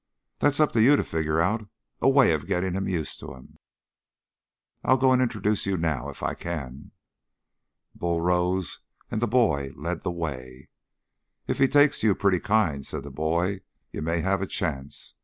"That's up to you to figure out a way of getting him used to 'em. I'll go introduce you now, if I can." Bull rose, and the boy led the way. "If he takes to you pretty kind," said the boy, "you may have a chance.